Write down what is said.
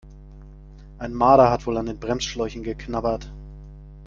Ein Marder hat wohl an den Bremsschläuchen geknabbert.